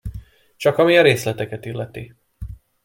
Csak ami a részleteket illeti…